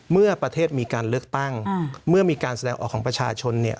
เมื่อประเทศมีการเลือกตั้งเมื่อมีการแสดงออกของประชาชนเนี่ย